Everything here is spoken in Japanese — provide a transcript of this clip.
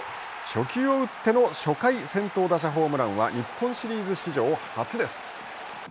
初球を打っての初回先頭打者ホームランは日本シリーズ史上初です。